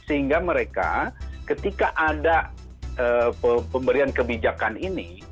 sehingga mereka ketika ada pemberian kebijakan ini